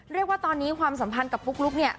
เรียกว่าตอนนี้ความสัมพันธ์กับปุ๊กลุ๊กเนี่ย